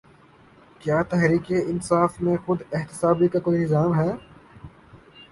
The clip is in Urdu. کیا تحریک انصاف میں خود احتسابی کا کوئی نظام ہے؟